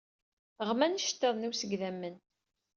Ɣman iceṭṭiḍen-iw seg idammen.